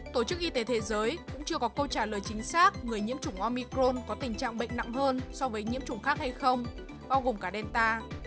tổ chức y tế thế giới cũng chưa có câu trả lời chính xác người nhiễm chủng omicron có tình trạng bệnh nặng hơn so với nhiễm chủng khác hay không bao gồm cả delta